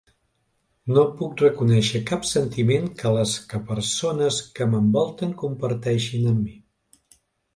No puc reconèixer cap sentiment que les que persones que m'envolten comparteixin amb mi.